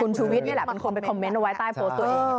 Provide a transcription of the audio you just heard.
ชูวิทย์นี่แหละเป็นคนไปคอมเมนต์เอาไว้ใต้โพสต์ตัวเอง